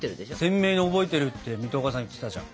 鮮明に覚えてるって水戸岡さん言ってたじゃん。